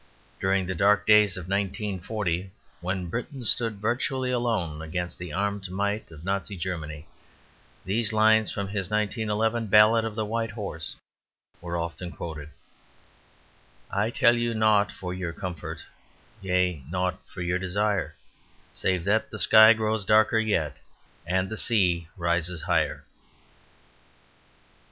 During the dark days of 1940, when Britain stood virtually alone against the armed might of Nazi Germany, these lines from his 1911 Ballad of the White Horse were often quoted: I tell you naught for your comfort, Yea, naught for your desire, Save that the sky grows darker yet And the sea rises higher.